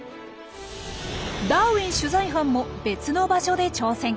ダーウィン取材班も別の場所で挑戦。